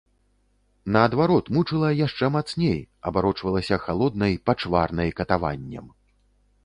Наадварот, мучыла яшчэ мацней, абарочвалася халоднай, пачварнай катаваннем.